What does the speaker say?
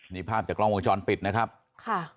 นี่ภาพจากกล้องวงจรปิดนะครับค่ะ